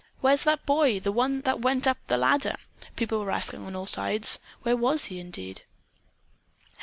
"Where's that boy? The one that went up the ladder?" people were asking on all sides. Where was he, indeed?